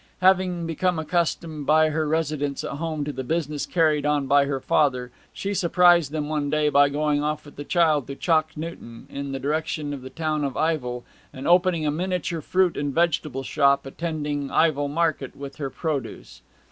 Having become accustomed by her residence at home to the business carried on by her father, she surprised them one day by going off with the child to Chalk Newton, in the direction of the town of Ivell, and opening a miniature fruit and vegetable shop, attending Ivell market with her produce.